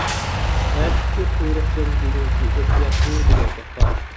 «ئەتىكى قۇيرۇقتىن بۈگۈنكى ئۆپكە ياخشى» دېگەن گەپ بار.